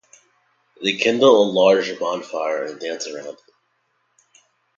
They kindle a large bonfire and dance around it.